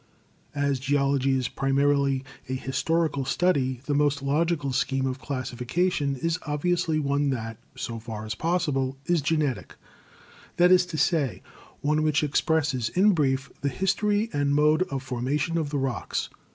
As geology is primarily a historical study, the most logical scheme of classification is obviously one that, so far as possible, is genetic; that is to say, one which ex presses in brief the history and mode of formation of the rocks.